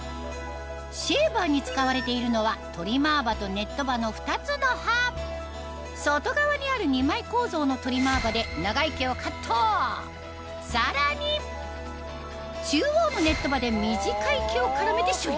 シェーバーに使われているのはの２つの刃外側にある２枚構造のトリマー刃で長い毛をカットさらに中央のネット刃で短い毛を絡めて処理